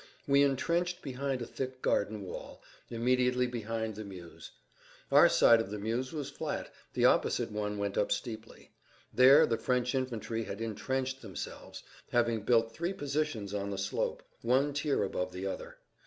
We intrenched behind a thick garden wall, immediately behind the Meuse. Our side of the Meuse was flat, the opposite one went up steeply. There the French infantry had intrenched themselves, having built three positions on the slope, one tier above the other.